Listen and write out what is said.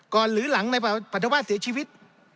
หรือหลังในปรัฐวาสเสียชีวิต